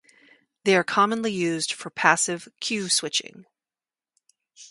They are commonly used for passive Q-switching.